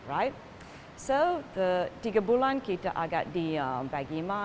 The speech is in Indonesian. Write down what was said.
jadi tiga bulan kita agak diam bagaimana